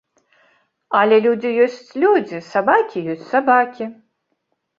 Але людзі ёсць людзі, сабакі ёсць сабакі.